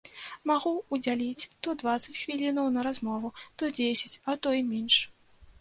Магу ўдзяліць то дваццаць хвілінаў на размову, то дзесяць, а то і менш.